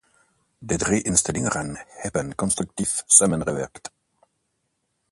De drie instellingen hebben constructief samengewerkt.